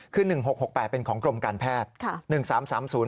คือ๑๖๖๘เป็นของกรมการแพทย์